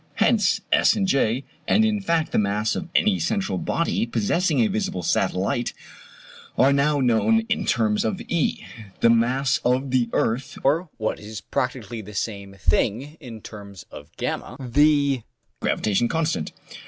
Hence, S and J, and in fact the mass of any central body possessing a visible satellite, are now known in terms of E, the mass of the earth (or, what is practically the same thing, in terms of V, the gravitation constant).